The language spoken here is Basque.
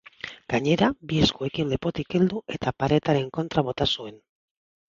Gainera, bi eskuekin lepotik heldu eta paretaren kontra bota zuen.